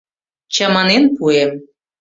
Чаманен пуэм.